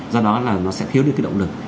do đó là nó sẽ thiếu đi cái động lực